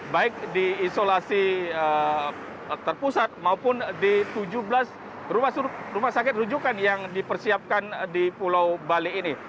baik di isolasi terpusat maupun di tujuh belas rumah sakit rujukan yang dipersiapkan di pulau bali ini